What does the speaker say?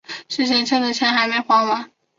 之前欠的钱还没还完